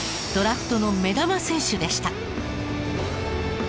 ドラフトの目玉選手でした。